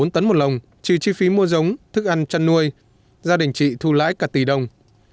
bốn tấn một lồng trừ chi phí mua giống thức ăn chăn nuôi gia đình chị thu lãi cả tỷ đồng